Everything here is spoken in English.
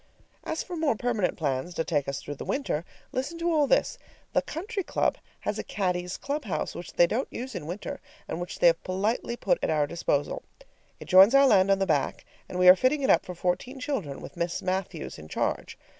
As for more permanent plans to take us through the winter, listen to all this. The country club has a caddies' clubhouse which they don't use in winter and which they have politely put at our disposal. It joins our land on the back, and we are fitting it up for fourteen children, with Miss Matthews in charge.